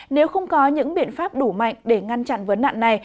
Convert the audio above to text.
nếu không có những biện pháp đủ mạnh để ngăn chặn vấn nạn này